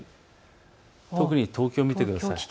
特に東京を見てください。